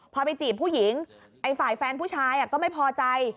พอไปจีบผู้หญิงไอ้ฝ่ายแฟนผู้ชายก็ไม่พอใจ